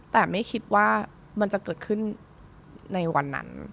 แต่ไม่คิดว่ามันจะเกิดขึ้นในวันนั้น